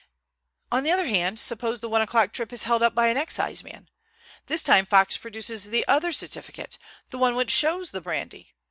"On the other hand, suppose the one o'clock trip is held up by an exciseman. This time Fox produces the other certificate, the one which shows the brandy.